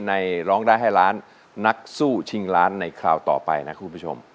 ร้องได้ให้ล้านนักสู้ชิงล้านในคราวต่อไปนะคุณผู้ชม